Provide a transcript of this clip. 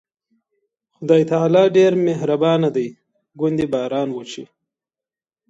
خدای تعالی ډېر مهربانه دی، ګوندې باران وشي.